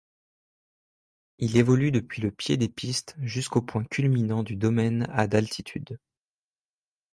Il évolue depuis le pied des pistes jusqu'au point culminant du domaine à d'altitude.